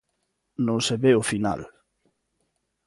Non se ve o final.